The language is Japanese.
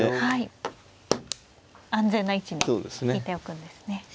はい安全な位置に引いておくんですね。